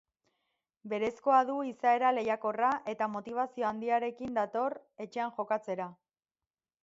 Berezkoa du izaera lehiakorra, eta motibazio handiarekin dator etxean jokatzera.